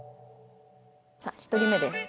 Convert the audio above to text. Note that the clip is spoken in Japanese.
さあ１人目です。